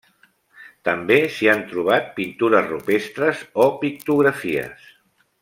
També s'hi han trobat pintures rupestres o pictografies.